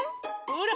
ほら！